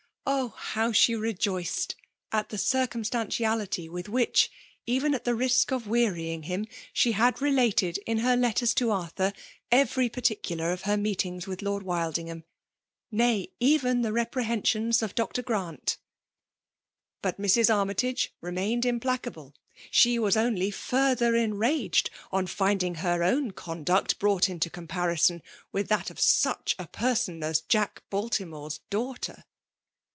. Oh ! how she rejoiced at. the cir Gumstantiality with.which, even at the risk of wearying him^ she had related in her letters to Arthur erery particular of her meetings with Lord Wildingham, — hay ! even the reprehen^ sions of Dr. Grant! But Mrs. Armytage remained implacable. She was only ftirther enraged on finding her own conduct brought into comparison with that of such a person as Jack Baltimore's daughter.